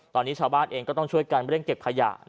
ตอนนี้ชาวบ้านเองก็ต้องช่วยกันเร่งเก็บขยะ